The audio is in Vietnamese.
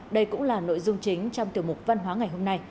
đây cũng là nội dung chính trong tiểu mục văn hóa ngày hôm nay